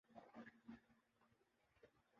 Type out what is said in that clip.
تبلیغ الفاظ تک رہتی تو اور بات تھی۔